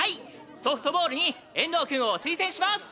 ソフトボー遠藤くんを推薦します！